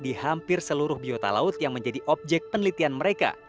di hampir seluruh biota laut yang menjadi objek penelitian mereka